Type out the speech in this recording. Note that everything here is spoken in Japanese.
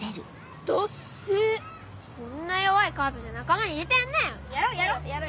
そんな弱いカードじゃ仲間に入れてやんね